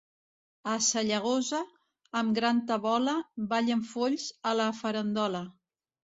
A Sallagosa, amb gran tabola, ballen folls, a la farandola.